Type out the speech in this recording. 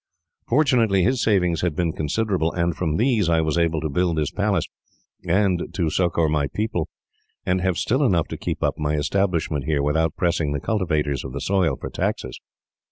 Fortunately, his savings had been considerable, and from these I was able to build this palace, and to succour my people, and have still enough to keep up my establishment here, without pressing the cultivators of the soil for taxes.